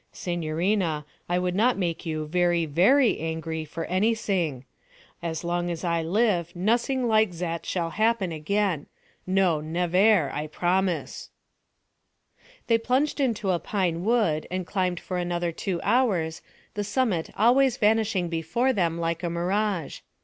'Signorina, I would not make you very very angry for anysing. As long as I live nosing like zat shall happen again. No, nevair, I promise.' They plunged into a pine wood and climbed for another two hours, the summit always vanishing before them like a mirage.